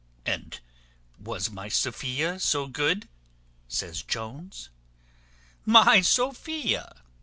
"And was my Sophia so good?" says Jones. "My Sophia!